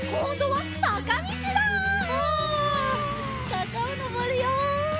さかをのぼるよ！